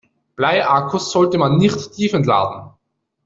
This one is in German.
Bleiakkus sollte man nicht tiefentladen.